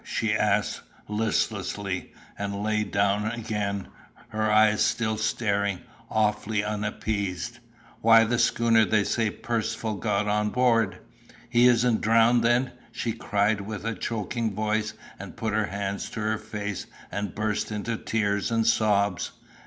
she asked listlessly, and lay down again, her eyes still staring, awfully unappeased. "Why the schooner they say Percivale got on board." "He isn't drowned then!" she cried with a choking voice, and put her hands to her face and burst into tears and sobs.